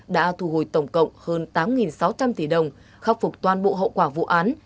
đã thu hồi tổng cộng hơn tám sáu trăm linh tỷ đồng khắc phục toàn bộ hậu quả vụ án